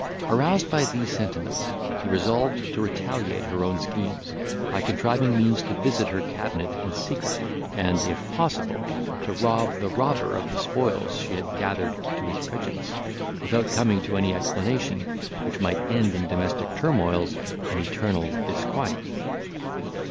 Aroused by these sentiments, he resolved to retaliate her own schemes, by contriving means to visit her cabinet in secret, and, if possible, to rob the robber of the spoils she had gathered to his prejudice, without coming to any explanation, which might end in domestic turmoils and eternal disquiet.